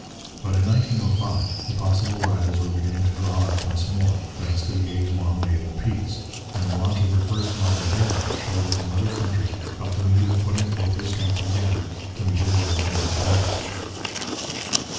But in 1905 the possible rivals were beginning to draw up once more, thanks to the age long naval peace; and the launch of her first modern Dreadnought showed that the mother country felt the need of putting forth her strength again to meet a world of new competitors.